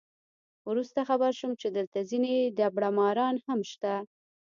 وروسته خبر شوم چې دلته ځینې دبړه ماران هم شته.